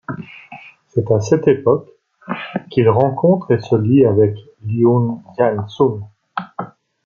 C'est à cette époque qu'il rencontre et se lie avec Liu Jianxun.